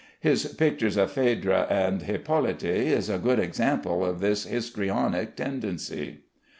His picture of "Phèdre and Hyppolite" is a good example of this histrionic tendency.